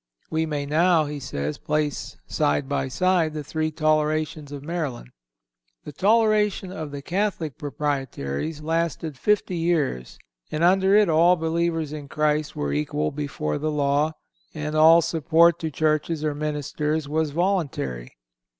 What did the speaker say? "We may now," he says, "place side by side the three tolerations of Maryland." The toleration of the (Catholic) Proprietaries lasted fifty years, and under it all believers in Christ were equal before the law, and all support to churches or ministers was voluntary.